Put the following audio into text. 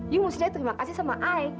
you mesti terima kasih sama ayah